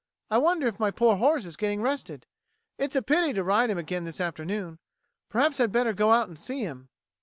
"I wonder if my poor horse is getting rested! It's a pity to ride him again this afternoon. Perhaps I'd better go out and see him."